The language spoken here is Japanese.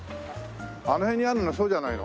あの辺にあるのそうじゃないの？